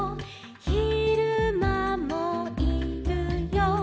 「ひるまもいるよ」